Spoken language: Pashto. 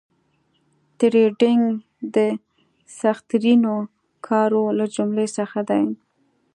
ټریډینګ د سخترینو کارو له جملې څخه دي